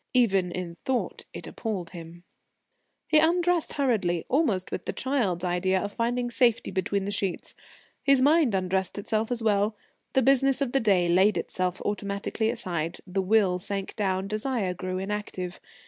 Even in thought it appalled him. He undressed hurriedly, almost with the child's idea of finding safety between the sheets. His mind undressed itself as well. The business of the day laid itself automatically aside; the will sank down; desire grew inactive.